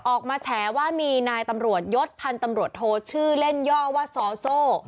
แฉว่ามีนายตำรวจยศพันธ์ตำรวจโทชื่อเล่นย่อว่าซอโซ่